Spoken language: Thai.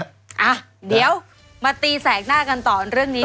อ่ะเดี๋ยวมาตีแสกหน้ากันต่อเรื่องนี้